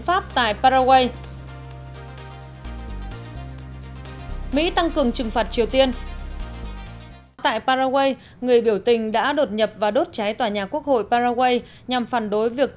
hãy đăng ký kênh để nhận thông tin nhất